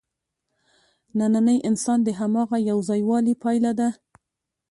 نننی انسان د هماغه یوځایوالي پایله ده.